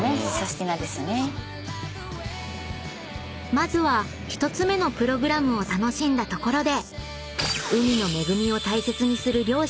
［まずは１つ目のプログラムを楽しんだところで］